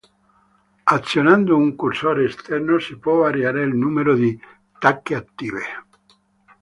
Azionando un cursore esterno si può variare il numero di "tacche attive".